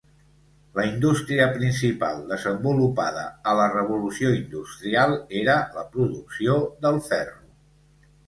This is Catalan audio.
La indústria principal desenvolupada a la revolució industrial era la producció del ferro.